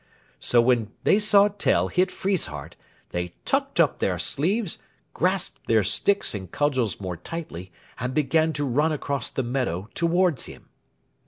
So when they saw Tell hit Friesshardt, they tucked up their sleeves, grasped their sticks and cudgels more tightly, and began to run across the meadow towards him.